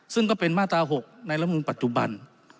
ซึ่งก็เป็นมาตรา๖ในรัฐมนุนปัจจุบัน